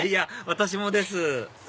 私もです